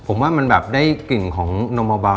ผมว่ามันแบบได้กลิ่นของนมเบา